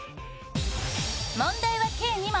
問題は計２問。